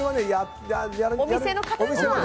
お店の方が。